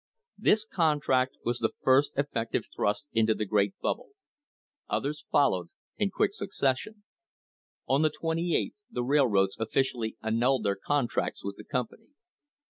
This contract was the first effective thrust into the great bubble. Others followed in quick succession. On the 28th the railroads officially annulled their contracts with the company.